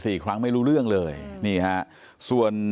ตลอดทั้งคืนตลอดทั้งคืน